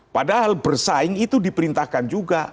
padahal bersaing itu diperintahkan juga